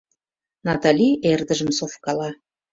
— Натали эрдыжым совкала.